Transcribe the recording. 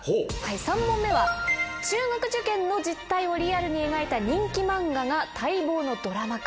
３本目は中学受験の実態をリアルに描いた人気漫画が待望のドラマ化。